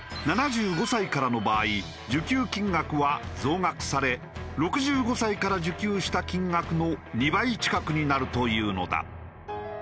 ７５歳からの場合受給金額は増額され６５歳から受給した金額の２倍近くになるというのだ。